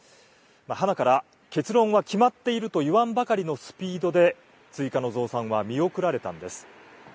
はなから結論は決まっていると言わんばかりのスピードで、追加の増産は見送られたんです。